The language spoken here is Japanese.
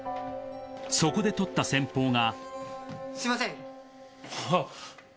［そこで取った戦法が］